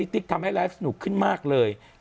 ติ๊กทำให้ไลฟ์สนุกขึ้นมากเลย